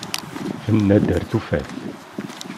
Tenna-d ar tufat.